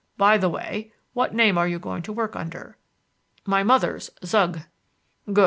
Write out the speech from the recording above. By the way, what name are you going to work under?" "My mother's Zugg." "Good!